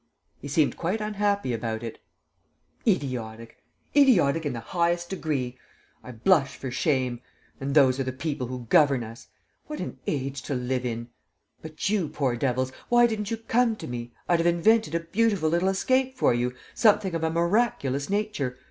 He seemed quite unhappy about it: "Idiotic! Idiotic in the highest degree! I blush for shame! ... And those are the people who govern us! ... What an age to live in! ... But, you poor devils, why didn't you come to me? I'd have invented a beautiful little escape for you, something of a miraculous nature.